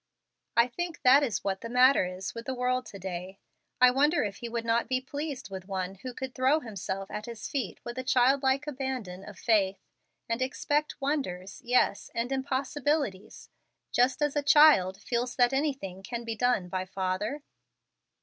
I think that is what is the matter with the world to day. I wonder if He would not be pleased with one who could throw herself at His feet with a childlike abandon of faith, and expect wonders, yes, and impossibilities, just as a child feels that anything can be done by father